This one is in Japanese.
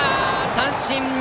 三振！